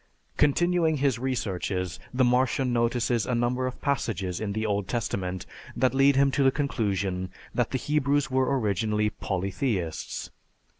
Continuing his researches, the Martian notices a number of passages in the Old Testament that lead him to the conclusion that the Hebrews were originally polytheists.